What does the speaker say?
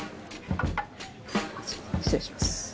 失礼します。